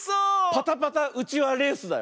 パタパタうちわレースだよ。